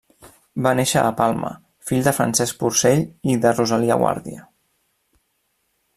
Va néixer a Palma, fill de Francesc Porcell i de Rosalia Guàrdia.